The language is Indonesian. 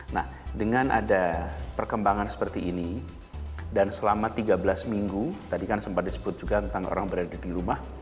nah dengan ada perkembangan seperti ini dan selama tiga belas minggu tadi kan sempat disebut juga tentang orang berada di rumah